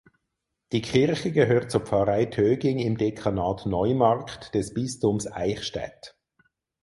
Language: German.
Die Kirche gehört zur Pfarrei Töging im Dekanat Neumarkt des Bistums Eichstätt.